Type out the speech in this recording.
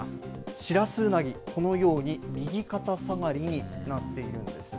シラスウナギ、このように右肩下がりになっているんですね。